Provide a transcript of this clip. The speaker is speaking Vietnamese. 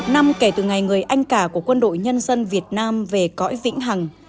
một mươi năm năm kể từ ngày người anh cả của quân đội nhân dân việt nam về cõi vĩnh hằng